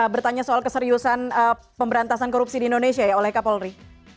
bertanya soal keseriusan pemberantasan korupsi di indonesia ya oleh kapolri